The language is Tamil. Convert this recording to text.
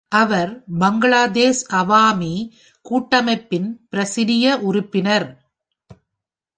அவர் பங்களாதேஷ் அவாமி கூட்டமைப்பின் பிரசிடிய உறுப்பினர்.